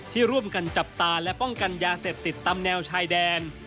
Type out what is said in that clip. ที่ร่วมกันจับตาและป้องกันยาเสพติดตามแนวชายแดน